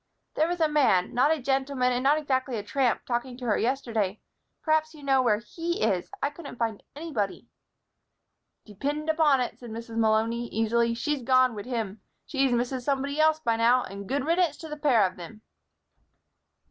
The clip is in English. "There was a man not a gentleman and not exactly a tramp talking to her yesterday. Perhaps you know where he is. I couldn't find anybody." "Depind upon it," said Mrs. Malony, easily, "she's gone wid him. She's Mrs. Somebody Else by now, and good riddance to the pair av thim."